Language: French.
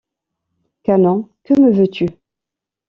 Canon, que me veux-tu?